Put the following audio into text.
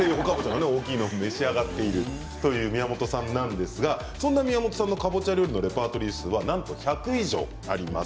あの大きいものを召し上がってる宮本さんなんですがそんな宮本さんのかぼちゃ料理のレパートリー数は１００以上あります。